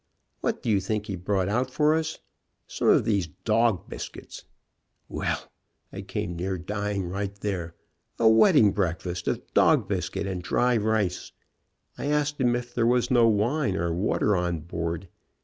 What do you think he brought out for us? Some of these dog biscuit ! Well, I came near dying right there. A wedding breakfast of dog biscuit and dry rice. I asked him if there was no wine or water on board.